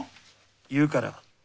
言うから。